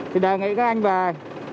thì đề nghị các anh về